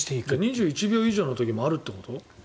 ２１秒以上の時もあるということ？